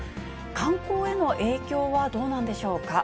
観光への影響はどうなんでしょうか。